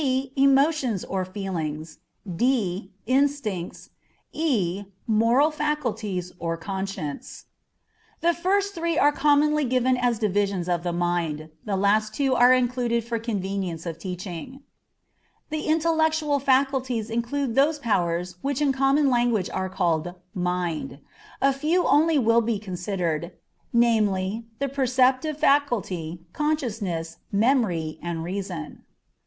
_ Emotions or feelings. d. Instincts. e. Moral faculties or conscience. The first three are commonly given as divisions of the mind; the last two are included for convenience of teaching. The Intellectual Faculties include those powers which in common language are called "mind." A few only will be considered namely, the perceptive faculty, consciousness, memory, and reason.